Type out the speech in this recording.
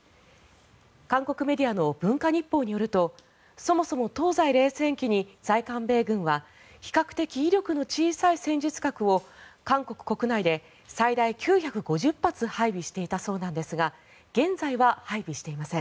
韓国メディアの文化日報によるとそもそも東西冷戦期に在韓米軍は比較的威力の小さい戦術核を韓国国内で最大９５０発配備していたそうなんですが現在は配備していません。